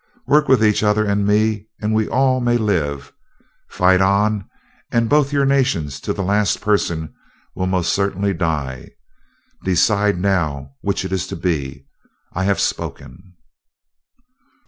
Work with each other and me and we all may live fight on and both your nations, to the last person, will most certainly die. Decide now which it is to be. I have spoken."